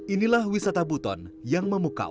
inilah wisata buton yang memukau